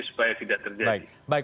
supaya tidak terjadi